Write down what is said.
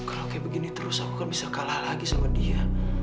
kalau kayak begini terus aku kan bisa kalah lagi sama dia